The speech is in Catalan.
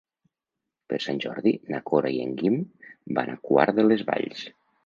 Per Sant Jordi na Cora i en Guim van a Quart de les Valls.